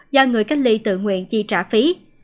do người cách ly tự nguyện chi trả phí